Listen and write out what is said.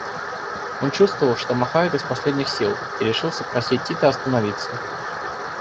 Он чувствовал, что махает из последних сил, и решился просить Тита остановиться.